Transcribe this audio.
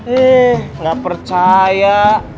eh gak percaya